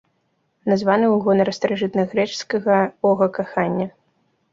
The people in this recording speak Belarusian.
Названы ў гонар старажытнагрэчаскага бога кахання.